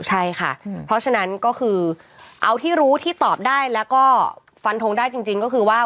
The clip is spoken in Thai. ใช่ค่ะเพราะฉะนั้นก็คือเอาที่รู้ที่ตอบได้แล้วก็ฟันทงได้จริงก็คือว่า